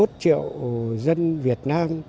chín mươi một triệu dân việt nam